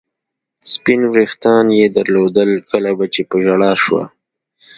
سپین وریښتان یې درلودل، کله به چې په ژړا شوه.